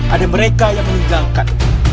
ada mereka yang meninggalkan